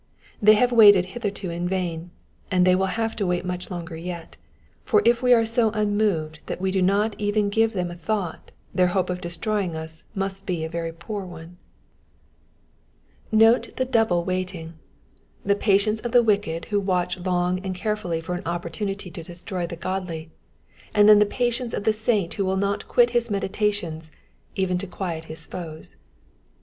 They have waited hitherto m vain, and they will have to wait much longer yet ; for if we are so unmoved that we do not even give them a thought their hope of destroying us must be a very poor one. Digitized by VjOOQIC 216 EXPOSITIONS OF THB PSALMS. Note the double waiting, — the patience of the wicked who watch long and carefully for an opportunity to destroy the godly, and then the patience of the saint who will not quit his meditations, even to quiet his foes.